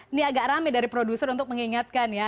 ini agak rame dari produser untuk mengingatkan ya